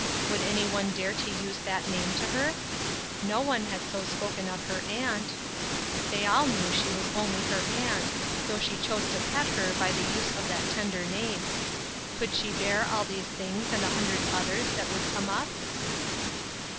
Would anyone dare to use that name to her? No one had so spoken of her aunt. They all knew she was only her aunt, though she chose to pet her by the use of that tender name. Could she bear all these things and a hundred others that would come up?